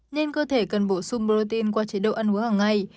nên cơ thể cần bổ sung protein qua chế độ ăn uống hàng ngày